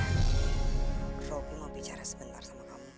hai robby mau bicara sebentar sama kamu